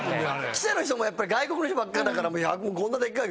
記者の人もやっぱり外国の人ばっかりだからこんなでっかい。